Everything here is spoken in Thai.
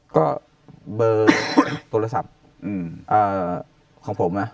ก็เบอร์โทรศัพท์ของผม